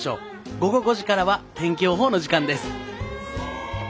午後５時からは天気予報の時間です。